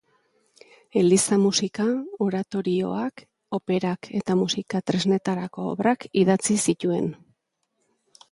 Eliza-musika, oratorioak, operak eta musika-tresnetarako obrak idatzi zituen.